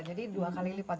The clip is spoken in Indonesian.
jadi dua kali lipat